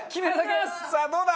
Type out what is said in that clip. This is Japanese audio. さあどうだ？